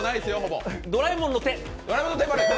ドラえもんの手。